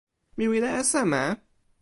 mi wile e seme?